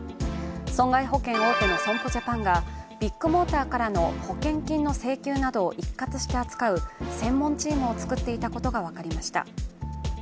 損害保険大手の損保ジャパンがビッグモーターからの保険金の請求などを一括して扱う専門チームを作っていたことが分かりました。